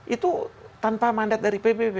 itu tanpa mandat dari pbb